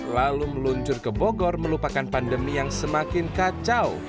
lalu meluncur ke bogor melupakan pandemi yang semakin kacau